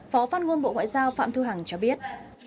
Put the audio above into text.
phó phát ngôn bộ ngoại giao phạm thu hằng cho biết